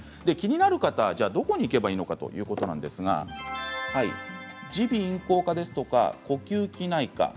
気になる方はどこに行けばいいのかということなんですが耳鼻咽喉科ですとか呼吸器内科